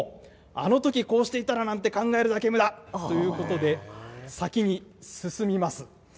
あのときこうしていたらなんて考えるだけむだ！ということで、先に進みます。